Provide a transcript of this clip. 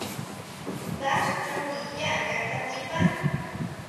Nda chon ndinyá nga kandibá.